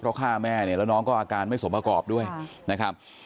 เพราะฆ่าแม่เนี่ยแล้วน้องก็อาการไม่สมประกอบด้วยนะครับ